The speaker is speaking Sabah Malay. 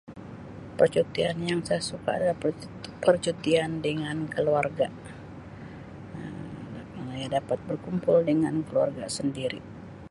Percutian yang saya suka adalah percu-percutian dengan keluarga Um kerna ia nya dapat berkumpul dengan keluarga sendiri.